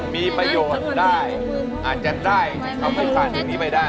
มีประโยชน์ได้อาจจะได้แต่มันไม่ผ่านถึงนิ่งไม่ได้